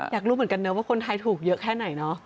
อยากรู้เหมือนกันนะว่าคนไทยถูกเยอะแค่ไหนเนาะ